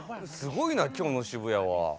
すごいな今日の渋谷は。